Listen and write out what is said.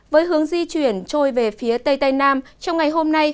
với hướng di chuyển trôi về phía tây tây nam trong ngày hôm nay